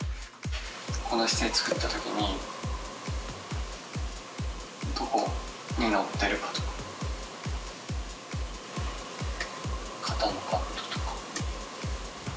この姿勢を作ったときに、どこに乗ってるかとか、肩の角度とか。